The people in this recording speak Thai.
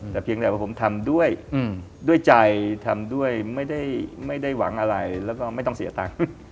แต่เพียงแต่ว่าผมทำด้วยด้วยใจทำด้วยไม่ได้หวังอะไรแล้วก็ไม่ต้องเสียตังค์